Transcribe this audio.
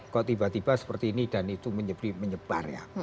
kok tiba tiba seperti ini dan itu menyebar ya